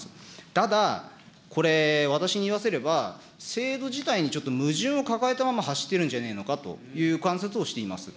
ただ、これ、私に言わせれば、制度自体にちょっと矛盾を抱えたまま走っているんじゃないのかと、観察をしています。